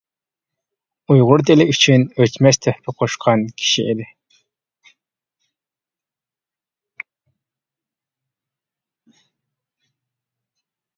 ئۇيغۇر تىلى ئۈچۈن ئۆچمەس تۆھپە قوشقان كىشى ئىدى.